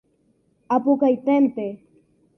Apukaiténte.